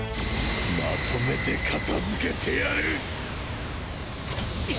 まとめて片づけてやる！